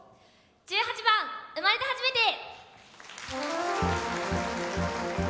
１８番「生まれてはじめて」。